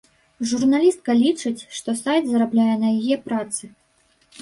Журналістка лічыць, што сайт зарабляе на яе працы.